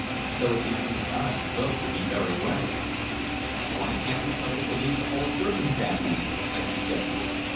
So it behoves us both to be very wary." "Why can't we tell the police the whole circumstances?" I suggested.